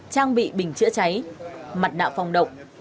trang bị bình chữa cháy mặt nạ phòng động